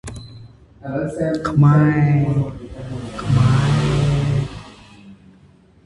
He submitted that plan to the city council prior to leaving office.